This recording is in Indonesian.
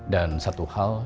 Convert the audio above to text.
dan satu hal